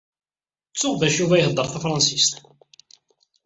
TtuƔ bac Yuba iheddeṛ tafṛansist.